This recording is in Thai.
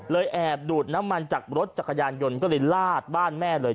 แอบดูดน้ำมันจากรถจักรยานยนต์ก็เลยลาดบ้านแม่เลย